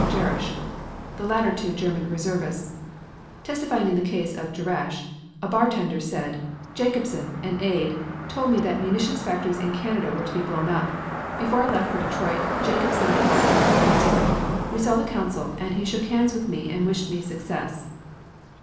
Jarasch, the latter two German reservists. Testifying in the case Jarasch, a bartender, said: "Jacobsen (an aide) told me that munition factories in Canada were to be blown up. Before I left for Detroit, Jacobsen and I went to the consulate. We saw the consul and he shook hands with me and wished me success."